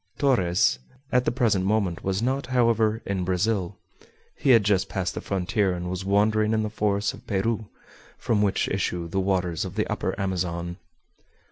Torres at the present moment was not, however, in Brazil. He had just passed the frontier, and was wandering in the forests of Peru, from which issue the waters of the Upper Amazon.